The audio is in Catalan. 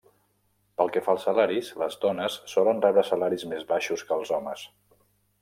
Pel que fa als salaris, les dones solen rebre salaris més baixos que els homes.